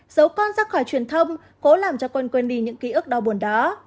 giấu con ra khỏi truyền thông cố làm cho con quên đi những ký ức đau buồn đó